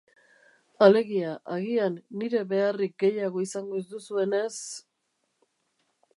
Alegia, agian, nire beharrik gehiago izango ez duzuenez...